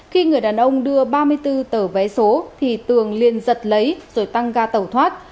khi người đàn ông đưa ba mươi bốn tờ vé số thì tường liền giật lấy rồi tăng ga tẩu thoát